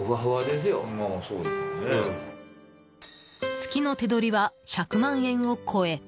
月の手取りは１００万円を超え